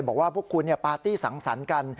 บอกว่าพวกคุณปาร์ตี้สังสรรค์กัน